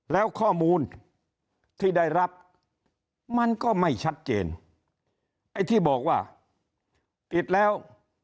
แล้วข้อมูลที่ได้รับมันก็ไม่ชัดเจนไอ้ที่บอกว่าติดแล้ว